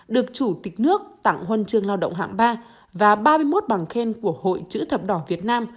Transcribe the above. được chủ tịch nước tặng huân chương lao động hạng ba và ba mươi một bằng khen của hội chữ thập đỏ việt nam